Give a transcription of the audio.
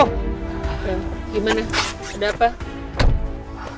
gimana ada apa